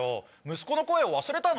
息子の声を忘れたの？